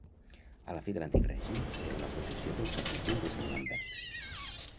A la fi de l'antic règim era una possessió del capítol de Sant Lambert.